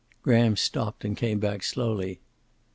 Graham stopped, and came back slowly.